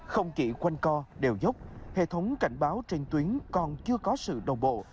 không chỉ quanh co đèo dốc hệ thống cảnh báo trên tuyến còn chưa có sự đồng bộ